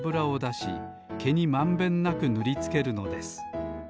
しけにまんべんなくぬりつけるのです。